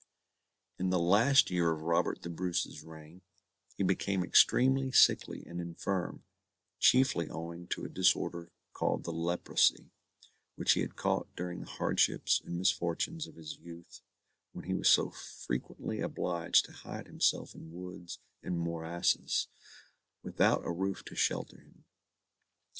In the last year of Robert the Bruce's reign, he became extremely sickly and infirm, chiefly owing to a disorder called the leprosy, which he had caught during the hardships and misfortunes of his youth, when he was so frequently obliged to hide himself in woods and morasses, without a roof to shelter him.